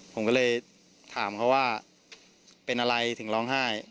ผมก็เลยถามเขาว่าเป็นอะไรถึงร้องไห้